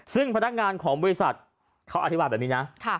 ซึ่งพนักงานของบริษัทเขาอธิบายแบบนี้นะ